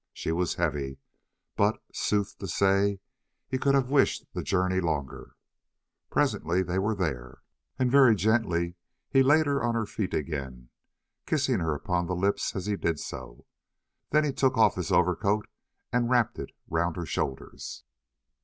She was heavy, but, sooth to say, he could have wished the journey longer. Presently they were there, and very gently he laid her on her feet again, kissing her upon the lips as he did so. Then he took off his overcoat and wrapped it round her shoulders.